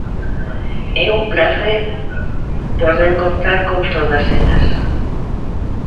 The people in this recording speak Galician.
É un pracer poder contar con todas elas.